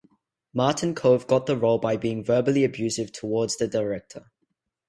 Martin Kove got the role by being verbally abusive towards the director.